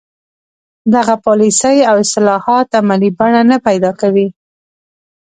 دغه پالیسۍ او اصلاحات عملي بڼه نه پیدا کوي.